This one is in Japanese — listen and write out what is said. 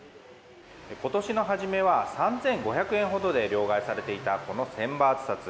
今年の初めは３５００円ほどで両替されていたこの１０００バーツ札。